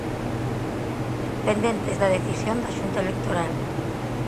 Pendentes da decisión da Xunta Electoral.